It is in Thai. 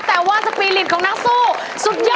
แต่ว่าสปีริตของนักสู้สุดยอด